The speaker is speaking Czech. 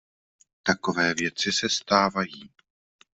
Takové věci se stávají.